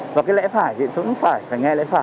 và cái lẽ phải thì cũng phải phải nghe lẽ phải